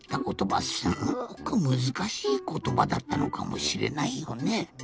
ことばすごくむずかしいことばだったのかもしれないよね。